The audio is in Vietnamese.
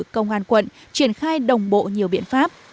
công an quận triển khai đồng bộ nhiều biện pháp